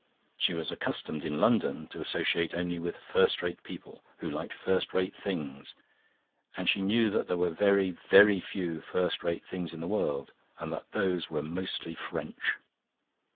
She was accustomed in London to associate only with first rate people who liked first rate things, and she knew that there were very, very few first rate things in the world, and that those were mostly French.